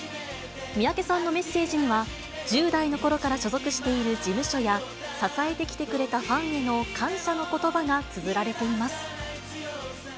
三宅さんのメッセージには、１０代のころから所属している事務所や、支えてきてくれたファンへの感謝のことばがつづられています。